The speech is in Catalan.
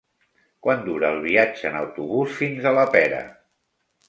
Quant dura el viatge en autobús fins a la Pera?